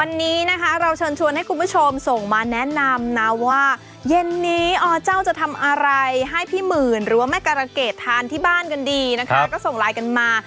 วันนี้นะคะเราเชิญชวนให้คุณผู้ชมส่งมาแนะนำนะว่าเย็นนี้อเจ้าจะทำอะไรให้พี่หมื่นหรือว่าแม่การะเกดทานที่บ้านกันดีนะคะก็ส่งไลน์กันมา